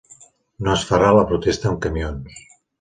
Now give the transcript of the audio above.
No es farà la protesta amb camions